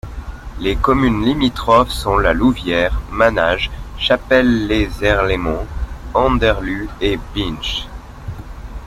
Les communes limitrophes sont La Louvière, Manage, Chapelle-lez-Herlaimont, Anderlues et Binche.